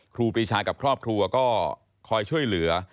ครูปีชากับครอบครัวก็คอยช่วยเหลือ